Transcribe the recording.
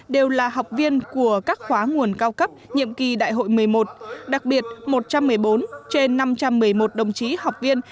đều là học viên của các khóa nguồn cao cấp nhiệm kỳ đại hội một mươi một đặc biệt một trăm một mươi bốn trên năm trăm một mươi một đồng chí học viên